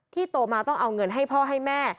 โตมาต้องเอาเงินให้พ่อให้แม่